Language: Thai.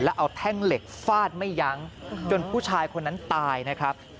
แล้วเอาแท่งเหล็กฟาดไม่ยั้งจนผู้ชายคนนั้นตายนะครับ